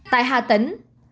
tại hà tĩnh